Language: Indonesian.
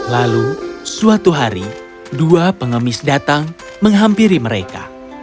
lalu suatu hari dua pengemis datang menghampiri mereka